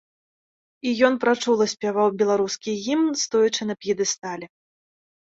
І ён прачула спяваў беларускі гімн, стоячы на п'едэстале.